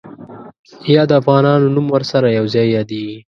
یا د افغانانو نوم ورسره یو ځای یادېږي.